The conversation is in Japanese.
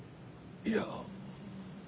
いや。